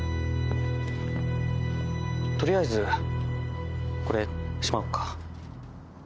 取りあえずこれしまおっか。